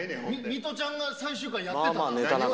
ミトちゃんが最終回やってたな。